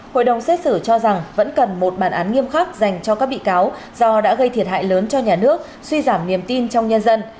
hội đồng xét xử cho rằng vẫn cần một bản án nghiêm khắc dành cho các bị cáo do đã gây thiệt hại lớn cho nhà nước suy giảm niềm tin trong nhân dân